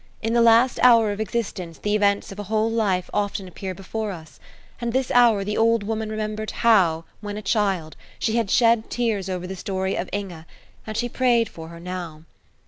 In the last hour of existence the events of a whole life often appear before us; and this hour the old woman remembered how, when a child, she had shed tears over the story of Inge, and she prayed for her now.